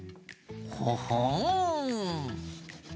ほほん。